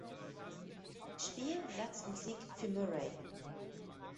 Spiel, Satz und Sieg für Murray